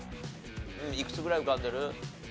いくつぐらい浮かんでる？